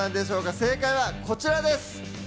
正解はこちらです。